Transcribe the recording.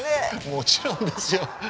もちろんですよ。